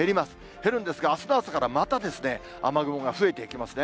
減るんですが、あすの朝からまた雨雲が増えていきますね。